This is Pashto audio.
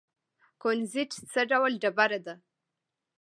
کونزیټ څه ډول ډبره ده؟